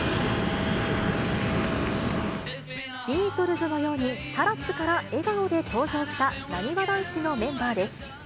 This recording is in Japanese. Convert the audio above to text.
ビートルズのように、タラップから笑顔で登場したなにわ男子のメンバーです。